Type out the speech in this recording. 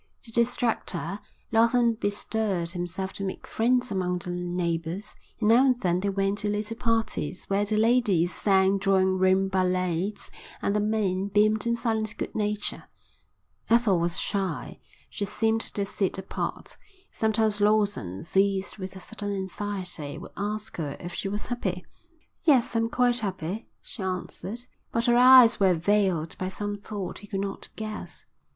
To distract her, Lawson bestirred himself to make friends among the neighbours, and now and then they went to little parties where the ladies sang drawing room ballads and the men beamed in silent good nature. Ethel was shy. She seemed to sit apart. Sometimes Lawson, seized with a sudden anxiety, would ask her if she was happy. "Yes, I'm quite happy," she answered. But her eyes were veiled by some thought he could not guess.